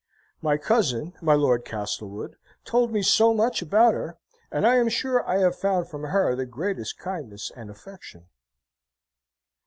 My cousin, my Lord Castlewood, told me so much about her, and I am sure I have found from her the greatest kindness and affection.